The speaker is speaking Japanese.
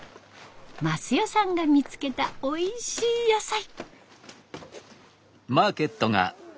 益代さんが見つけたおいしい野菜。